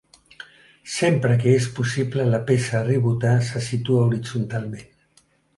Sempre que és possible la peça a ribotar se situa horitzontalment.